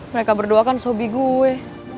mereka berdua kan sobi gue